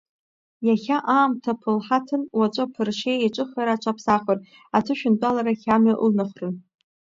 Иахьа аамҭа ԥылҳаҭын, уаҵәы аԥыршеи еиҿыхара аҽаԥсахыр, аҭышәынтәаларахь амҩа ылнахрын.